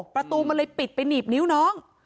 ประตูมันเลยปิดไปหนีบนิ้วน้อง